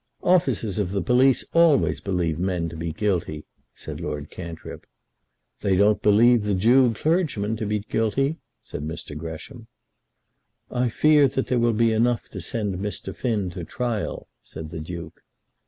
"Officers of the police always believe men to be guilty," said Lord Cantrip. "They don't believe the Jew clergyman to be guilty," said Mr. Gresham. "I fear that there will be enough to send Mr. Finn to a trial," said the Duke.